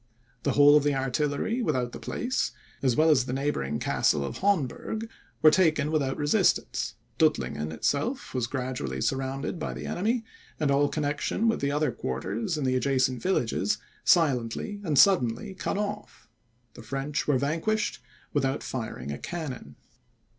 The whole of the artillery without the place, as well as the neighbouring Castle of Honberg, were taken without resistance, Duttlingen itself was gradually surrounded by the enemy, and all connexion with the other quarters in the adjacent villages silently and suddenly cut off. The French were vanquished without firing a cannon.